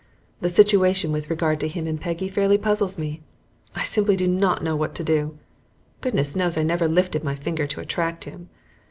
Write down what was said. The situation with regard to him and Peggy fairly puzzles me. I simply do not know what to do. Goodness knows I never lifted my finger to attract him.